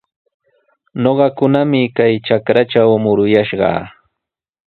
Ñuqakunami kay trakratraw muruyaashaq.